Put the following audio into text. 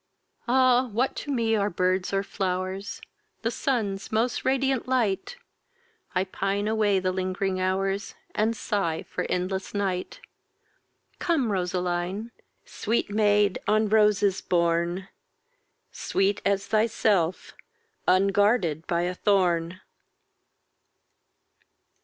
Ah! what to me are birds or flow'rs, The sun's most radiant light! I pine away the ling'ring hours, And sigh for endless night. Come, Roseline, sweet maid, on roses borne, Sweet as thyself, unguarded by a thorn!